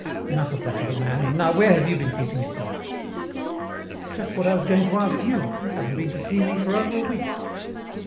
Enough of that, old man, and now where have you been keeping yourself?" "Just what I was going to ask you. You haven't been to see me for over a week."